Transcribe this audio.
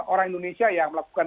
orang indonesia yang melakukan